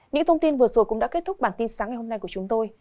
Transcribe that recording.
những thông tin vừa rồi cũng đã kết thúc bản tin sáng ngày hôm nay của chúng tôi